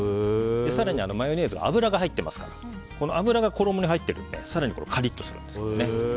更に、マヨネーズは油が入ってますから油が衣に入っているので更にカリッとします。